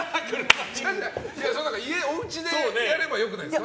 違う、おうちでやればよくないですか？